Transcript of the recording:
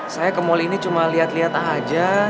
saya ke mall ini cuma liat liat aja